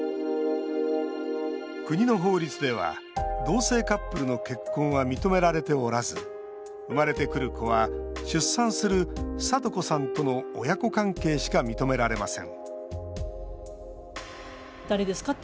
国の法律では同性カップルの結婚は認められておらず生まれてくる子は出産する、さと子さんとの親子関係しか認められません